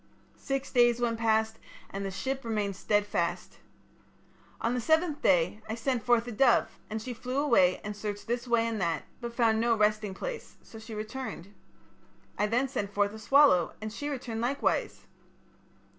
Six days went past and the ship remained stedfast. On the seventh day I sent forth a dove, and she flew away and searched this way and that, but found no resting place, so she returned. I then sent forth a swallow, and she returned likewise.